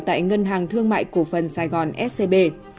tại ngân hàng thương mại cổ phần sài gòn scb